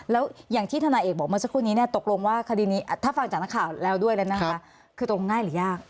แล้วอย่างที่ทนายเอกบอกเมื่อสักครู่นี้เนี่ยตกลงว่าคดีนี้ถ้าฟังจากนักข่าวแล้วด้วยแล้วนะคะคือตรงง่ายหรือยาก